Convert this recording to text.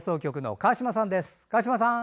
川島さん。